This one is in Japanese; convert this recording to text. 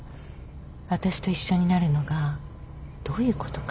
私と一緒になるのがどういうことか。